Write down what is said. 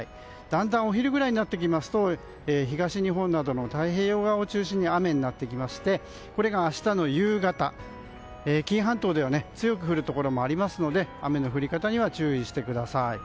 だんだんお昼ぐらいになると東日本などの太平洋側を中心に雨になってきましてこれが明日の夕方紀伊半島では強く降るところもありますので雨の降り方には注意してください。